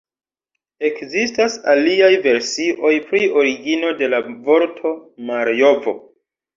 Ekzistas aliaj versioj pri origino de la vorto Marjovo.